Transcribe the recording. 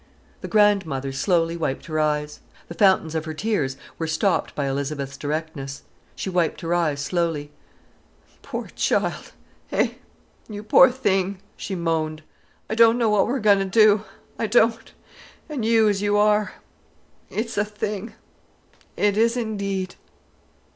The grandmother slowly wiped her eyes. The fountains of her tears were stopped by Elizabeth's directness. She wiped her eyes slowly. "Poor child! Eh, you poor thing!" she moaned. "I don't know what we're going to do, I don't—and you as you are—it's a thing, it is indeed!"